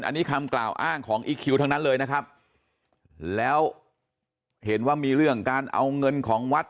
อันนี้คำกล่าวอ้างของอีคิวทั้งนั้นเลยนะครับแล้วเห็นว่ามีเรื่องการเอาเงินของวัด